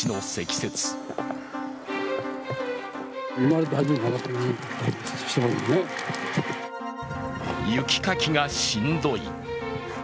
雪かきがしんどい。